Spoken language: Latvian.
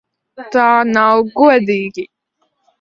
Tā nav godīgi!